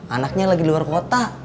anaknya lagi luar kota